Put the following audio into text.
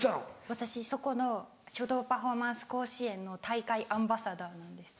私そこの書道パフォーマンス甲子園の大会アンバサダーなんです。